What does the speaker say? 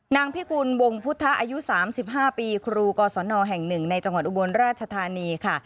พิกุลวงพุทธอายุ๓๕ปีครูกศนแห่ง๑ในจังหวัดอุบลราชธานีค่ะ